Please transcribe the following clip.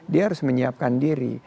dia harus menyiapkan diri